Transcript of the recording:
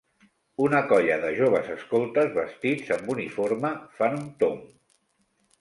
Una colla de joves escoltes vestits amb uniforme fa un tomb.